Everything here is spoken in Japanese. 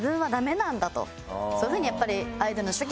そういう風にやっぱり。